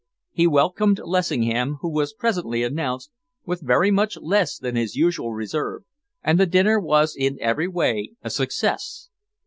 He welcomed Lessingham, who was presently announced, with very much less than his usual reserve, and the dinner was in every way a success.